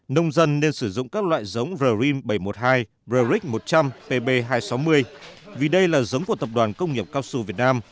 nông dân nên sử dụng các loại giống rym bảy trăm một mươi hai proric một trăm linh pb hai trăm sáu mươi vì đây là giống của tập đoàn công nghiệp cao su việt nam